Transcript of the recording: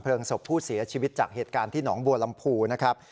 ศพผู้เสียชีวิตจากเหตุการณ์ที่หนองบัวลำพูนะครับ